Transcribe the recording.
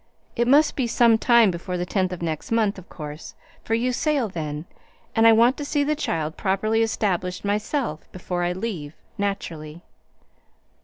It must be sometime before the tenth of next month, of course, for you sail then; and I want to see the child properly established myself before I leave, naturally."